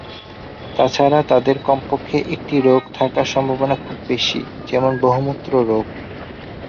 তাছাড়া, তাদের কমপক্ষে একটি রোগ থাকার সম্ভাবনা খুব বেশি, যেমন বহুমূত্র রোগ।